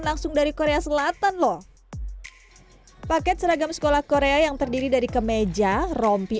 langsung dari korea selatan loh paket seragam sekolah korea yang terdiri dari kemeja rompi